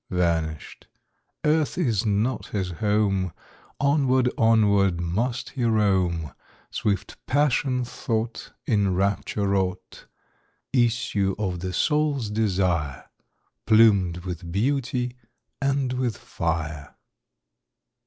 Vanished! Earth is not his home; Onward, onward must he roam Swift passion thought, In rapture wrought, Issue of the soul's desire, Plumed with beauty and with fire.